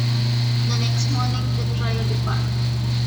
The next morning the trio depart.